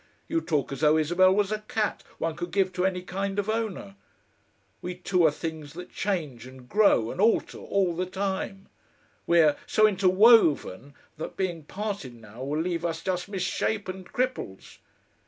You talk as though Isabel was a cat one could give to any kind of owner.... We two are things that change and grow and alter all the time. We're so interwoven that being parted now will leave us just misshapen cripples....